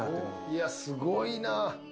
いやすごいな。